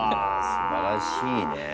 すばらしいね。